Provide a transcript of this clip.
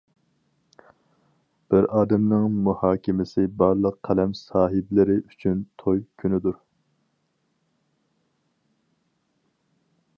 بىر ئادەمنىڭ مۇھاكىمىسى بارلىق قەلەم ساھىبلىرى ئۈچۈن توي كۈنىدۇر.